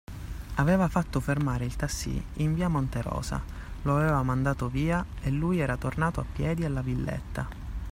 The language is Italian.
Aveva fatto fermare il tassì in via Monterosa, lo aveva mandato via e lui era tornato a piedi alla villetta.